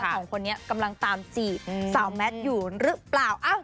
สองคนนี้กำลังตามจีบสาวแมทอยู่หรือเปล่า